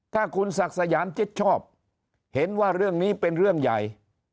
ถ้าคุณศักดิ์สยามชิดชอบเห็นว่าเรื่องนี้เป็นเรื่องใหญ่